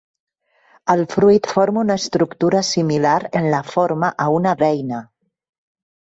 El fruit forma una estructura similar en la forma a una beina.